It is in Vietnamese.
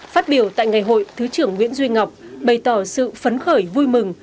phát biểu tại ngày hội thứ trưởng nguyễn duy ngọc bày tỏ sự phấn khởi vui mừng